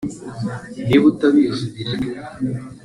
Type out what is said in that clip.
Niba utabizi ubireke